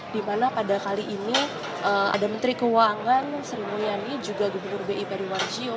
dimana pada kali ini ada menteri keuangan sri mulyani juga gubernur bi periwan jio